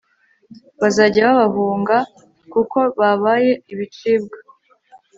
bazajya babahunga, kuko babaye ibicibwa